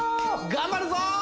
頑張るぞ！